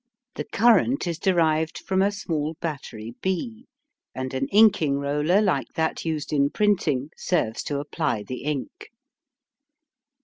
The current is derived from a small battery B, and an inking roller like that used in printing serves to apply the ink.